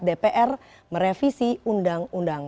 dpr merevisi undang undang